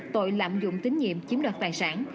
tội lạm dụng tín nhiệm chiếm đoạt tài sản